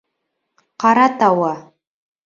Ҡаратауы!